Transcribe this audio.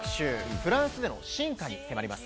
フランスでの進化に迫ります。